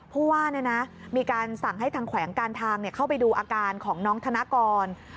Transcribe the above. ผู้ว่ามีการสั่งให้ทางแขวงการทางเข้าไปดูอาการของน้องธนกร